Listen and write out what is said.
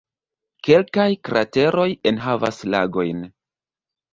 Kelkaj krateroj enhavas lagojn.